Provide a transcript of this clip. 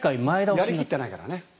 まだやり切ってないからね。